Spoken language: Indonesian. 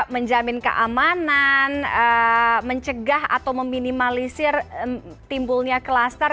menjamin keamanan mencegah atau meminimalisir timbulnya kluster